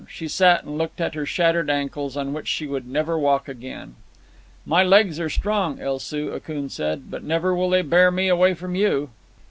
She sat and looked at her shattered ankles, on which she would never walk again. "My legs are strong, El Soo," Akoon said. "But never will they bear me away from you."